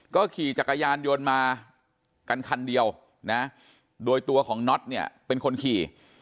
ก็ขี่จักรยานยนต์มากันคันเดียวนะโดยตัวของน็อตเนี่ยเป็นคนขี่